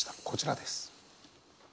こちらです。